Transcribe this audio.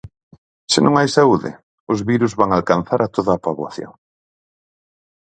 Se non hai saúde, os virus van alcanzar a toda a poboación.